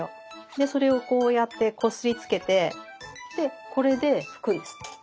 でそれをこうやってこすりつけてでこれで拭くんです。